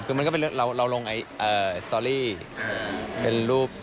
คือมันก็เป็นเรื่องเราลงไอ้สตอรี่เป็นรูป